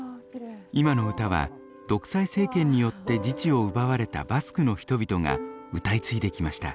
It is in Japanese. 今の歌は独裁政権によって自治を奪われたバスクの人々が歌い継いできました。